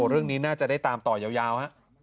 เรื่องนี้น่าจะได้ตามต่อยาว